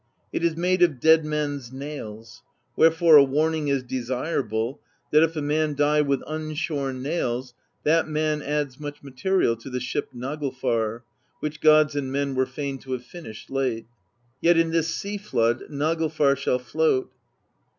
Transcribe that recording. (It is made of dead men's nails; wherefore a warn ing is desirable, that if a man die with unshorn nails, that man adds much material to the ship Naglfar, which gods and men were fain to have finished late.) Yet in this sea flood Naglfar shall float.